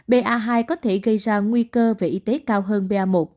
ba hai có thể gây ra nguy cơ về y tế cao hơn ba một